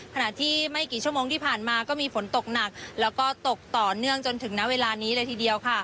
ขณะที่ไม่กี่ชั่วโมงที่ผ่านมาก็มีฝนตกหนักแล้วก็ตกต่อเนื่องจนถึงณเวลานี้เลยทีเดียวค่ะ